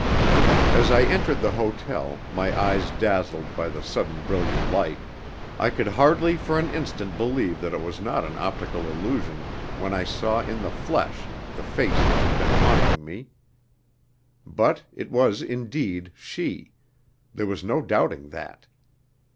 As I entered the hotel, my eyes dazzled by the sudden brilliant light, I could hardly for an instant believe that it was not an optical illusion when I saw in the flesh the face which had been haunting me. But it was indeed she; there was no doubting that.